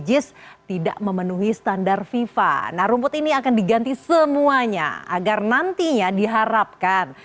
jis tidak memenuhi standar fifa nah rumput ini akan diganti semuanya agar nantinya diharapkan